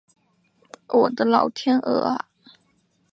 我的老天鹅啊